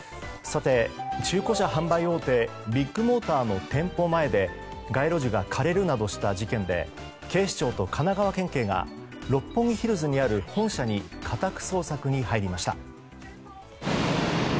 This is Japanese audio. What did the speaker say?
中古車販売大手ビッグモーターの店舗前で街路樹が枯れるなどした事件で警視庁と神奈川県警が六本木ヒルズにある本社に家宅捜索に入りました。